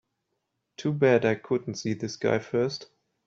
Too bad I couldn't see this guy first.